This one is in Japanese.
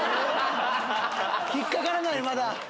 引っ掛からない、まだ。